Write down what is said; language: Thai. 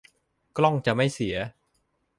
กล้องจะไม่เสีย